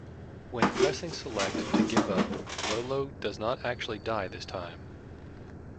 When pressing select to give up, Lolo does not actually die this time.